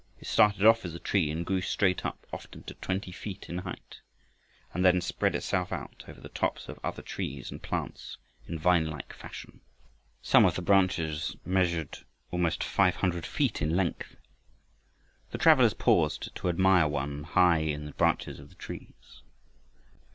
It started off as a tree and grew straight up often to twenty feet in height, and then spread itself out over the tops of other trees and plants in vine like fashion; some of its branches measured almost five hundred feet in length. The travelers paused to admire one high in the branches of the trees.